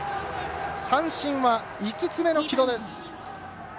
三振は５つ目の城戸です。